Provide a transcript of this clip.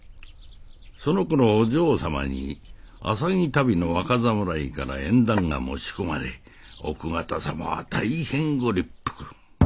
そのころお嬢様に浅葱足袋の若侍から縁談が持ち込まれ奥方様は大変ご立腹。